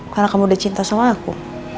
karena kamu udah cinta sama aku